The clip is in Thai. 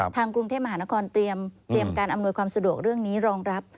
ทางกรุงเทพมหานครเตรียมการอำนวยความสะดวกเรื่องนี้รองรับ